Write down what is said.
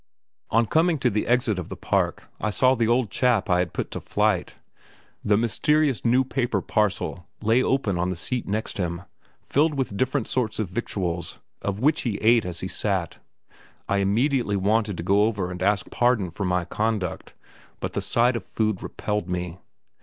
On coming to the exit of the park I saw the old chap I had put to flight. The mysterious new paper parcel lay opened on the seat next him, filled with different sorts of victuals, of which he ate as he sat. I immediately wanted to go over and ask pardon for my conduct, but the sight of food repelled me.